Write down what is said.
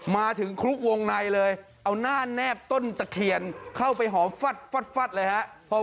มาถึงคลุกวงในเลยเอาหน้าแนบต้นตะเคียนเข้าไปหอมฟัดฟัดเลยฮะ